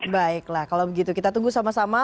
baiklah kalau begitu kita tunggu sama sama